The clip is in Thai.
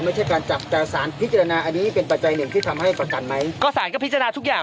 ไม่ใช่การจับแต่สารพิจารณาอันนี้เป็นปัจจัยหนึ่งที่ทำให้ประกันไหมก็สารก็พิจารณาทุกอย่าง